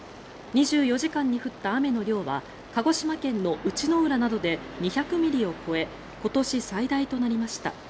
２４時間に降った雨の量は鹿児島県の内之浦などで２００ミリを超え今年最大となりました。